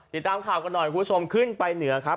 ติดตามข่าวกันหน่อยคุณผู้ชมขึ้นไปเหนือครับ